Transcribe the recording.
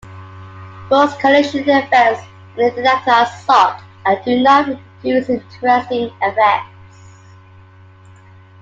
Most collision events in the detector are "soft" and do not produce interesting effects.